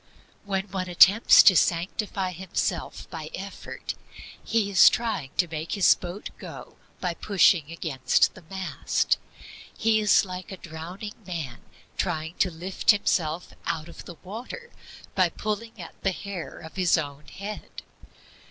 When one attempts to sanctify himself by effort, he is trying to make his boat go by pushing against the mast. He is like a drowning man trying to lift himself out of the water by pulling at the hair of his own head.